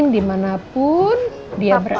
dimanapun dia berada